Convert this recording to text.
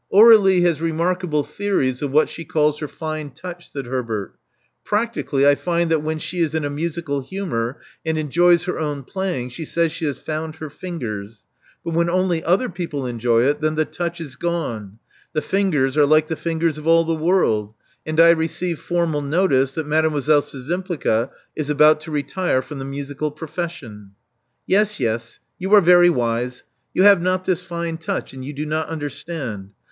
Aur61ie has remarkable theories of what she calls her fine touch, said Herbert. Practically, I find that when she is in a musical humor, and enjoys her own playing, she says she has * found her fingers' ; but when only other people enjoy it, then the touch is g^ne; the fingers are like the fingers of all the world ; and I receive formal notice that Mdlle. Szczympliga is about to retire from the musical profession." Yes, yes, you are very wise. You have not this fine touch; and you do not understand.